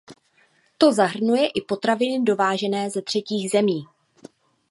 To zahrnuje i potraviny dovážené ze třetích zemí.